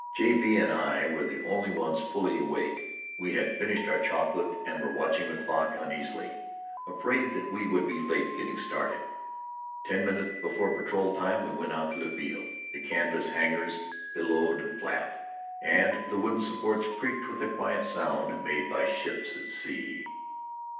J. B. and I were the only ones fully awake. We had finished our chocolate and were watching the clock uneasily, afraid that we should be late getting started. Ten minutes before patrol time we went out to the field. The canvas hangars billowed and flapped, and the wooden supports creaked with the quiet sound made by ships at sea.